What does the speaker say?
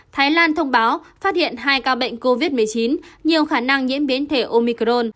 thái lan thông báo phát hiện hai ca bệnh covid một mươi chín nhiều khả năng nhiễm biến thể omicron